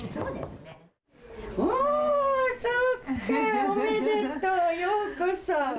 ようこそ！